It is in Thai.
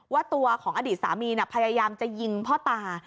ว่าตัวของอดีตสามีพยายามจะยิงพ่อตา